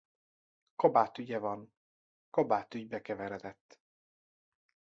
Kabátügye van - Kabátügybe keveredett.